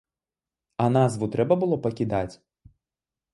А назву трэба было пакідаць?